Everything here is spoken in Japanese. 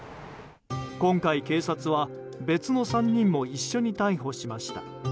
今回、警察は別の３人も一緒に逮捕しました。